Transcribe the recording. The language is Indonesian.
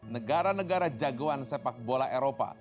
negara negara jagoan sepak bola eropa